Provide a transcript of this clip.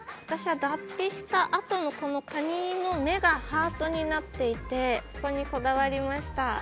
私は脱皮したあとのこのカニの目がハートになっていてここにこだわりました。